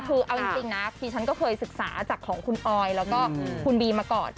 คือเอาจริงนะคือฉันก็เคยศึกษาจากของคุณออยแล้วก็คุณบีมาก่อน